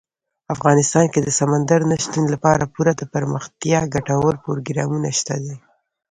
افغانستان کې د سمندر نه شتون لپاره پوره دپرمختیا ګټور پروګرامونه شته دي.